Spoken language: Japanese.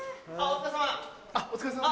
お疲れさま！